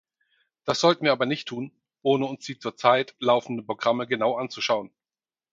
Das sollten wir aber nicht tun, ohne uns die zurzeit laufenden Programme genau anzuschauen.